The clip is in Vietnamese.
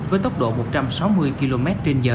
với tốc độ một trăm sáu mươi km